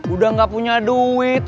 udah gak punya duit